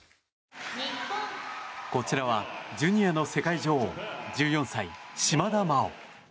こちらはジュニアの世界女王１４歳、島田麻央。